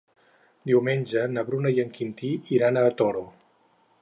Diumenge na Bruna i en Quintí iran al Toro.